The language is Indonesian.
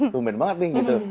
tumben banget nih gitu